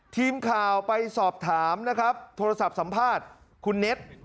ทีมข่าวไปสอบถามนะครับโทรศัพท์สัมภาษณ์คุณเน็ต